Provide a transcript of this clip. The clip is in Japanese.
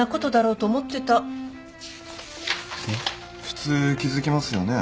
普通気付きますよね。